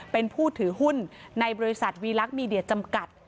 เป็นผู้ถือหุ้นในบริษัทวีลักษณ์มีเดียจำกัด